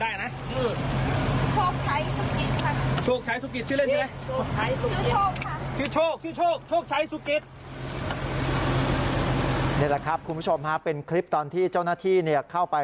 นี่แหละครับคุณผู้ชมฮะเป็นคลิปตอนที่เจ้าหน้าที่เข้าไป